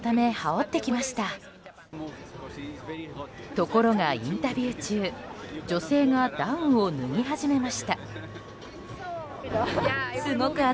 ところが、インタビュー中女性がダウンを脱ぎ始めました。